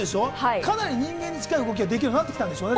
かなり人間に近い動きができるようになってきたんでしょうね。